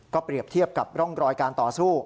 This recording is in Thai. เปรียบเทียบกับร่องรอยการต่อสู้